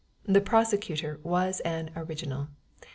The prosecutor was an original.